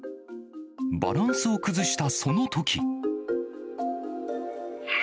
バランスを崩したそのとき。